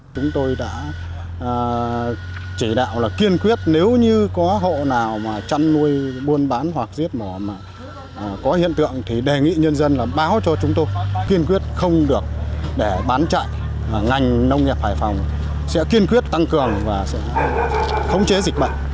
chúng tôi đã chỉ đạo là kiên quyết nếu như có hộ nào mà chăn nuôi buôn bán hoặc giết mổ có hiện tượng thì đề nghị nhân dân là báo cho chúng tôi kiên quyết không được để bán chạy ngành nông nghiệp hải phòng sẽ kiên quyết tăng cường và sẽ khống chế dịch bệnh